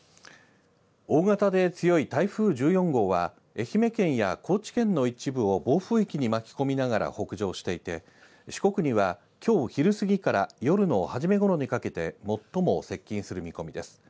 大型で強い台風１４号は愛媛県や高知の一部を暴風域に巻き込みながら北上していて、四国にはきょう昼過ぎから夜の初めごろにかけて最も接近する見込みです。